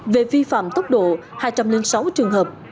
về vi phạm tốc độ hai trăm linh sáu trường hợp